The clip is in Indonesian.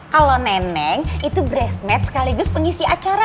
kalau neneng itu grassmatch sekaligus pengisi acara